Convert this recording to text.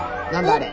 あれ。